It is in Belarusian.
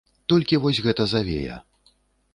Толькі вось гэта завея.